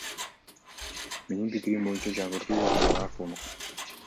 Менин пикирим боюнча, жаңыртуу арзаныраак болмок.